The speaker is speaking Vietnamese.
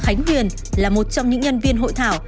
khánh huyền là một trong những nhân viên hội thảo